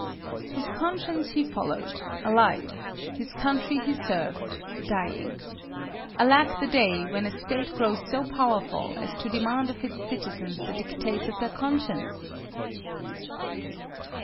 His conscience he followed, alive; his country he served, dying. Alack the day when a state grows so powerful as to demand of its citizens the dictates of their conscience!